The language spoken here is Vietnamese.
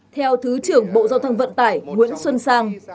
theo thứ trưởng bộ giao thông vận tải nguyễn xuân sang